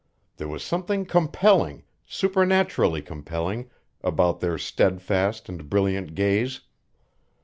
There was something compelling, supernaturally compelling, about their steadfast and brilliant gaze.